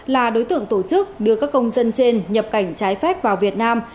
là đối tượng tổ chức đưa các công dân trên nhập cảnh trái phép vào việt nam